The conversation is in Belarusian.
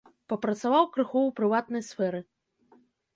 Папрацаваў крыху ў прыватнай сферы.